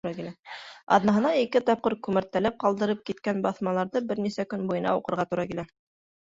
Аҙнаһына ике тапҡыр күмәртәләп ҡалдырып киткән баҫмаларҙы бер нисә көн буйына уҡырға тура килә.